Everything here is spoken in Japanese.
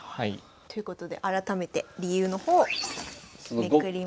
ということで改めて理由の方をめくります。